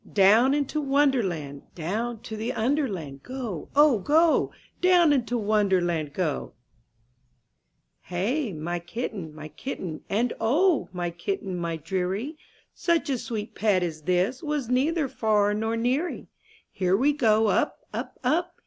Down into wonderland — Down to the under land — Go, oh go! Down into wonderland, go !/. G» Holland mm^^^^i^'^^^^'W^M LJEY, my kitten, my kitten, ^■• And ho ! my kitten, my deary, Such a sweet pet as this Was neither far nor neary. Here we go up, up, up.